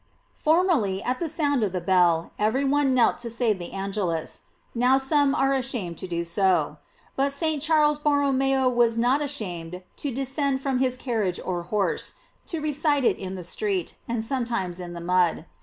"* Formerly, at the sound of the bell, every one knelt to say the Angelus; now some are ashamed to do so; but St. Charlea Borromeo was not ashamed to descend from his carriage or horse, to recite it in the street, and sometimes in the mud.